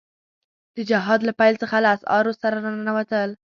د جهاد له پيل څخه له اسعارو سره را ننوتل.